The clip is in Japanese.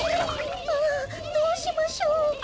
ああどうしましょう。